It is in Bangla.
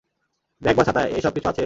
ব্যাগ বা ছাতা, এ-সব কিছু আছে?